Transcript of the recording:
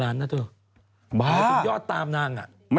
จากกระแสของละครกรุเปสันนิวาสนะฮะ